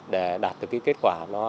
để đạt được kết quả